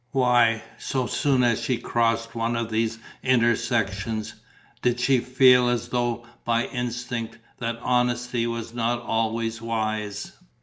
Why, so soon as she crossed one of these intersections, did she feel, as though by instinct, that honesty was not always wise?